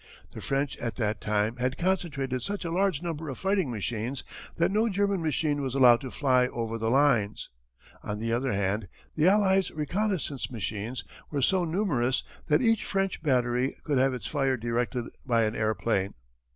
The French at that time had concentrated such a large number of fighting machines that no German machine was allowed to fly over the lines. On the other hand, the Allies' reconnaissance machines were so numerous that each French battery could have its fire directed by an airplane.